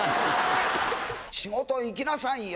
仕事行きなさいよ。